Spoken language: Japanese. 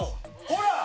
ほら！